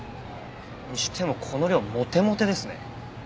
にしてもこの量モテモテですね。